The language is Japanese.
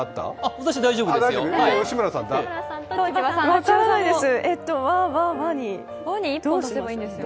私、大丈夫ですよ。